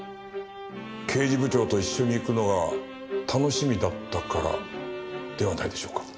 刑事部長と一緒に行くのが楽しみだったからではないでしょうか？